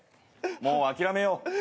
もう諦めよう。